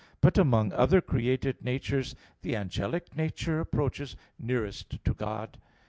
But among other created natures the angelic nature approaches nearest to God.